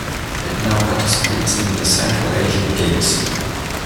It now participates in the Central Asian Games.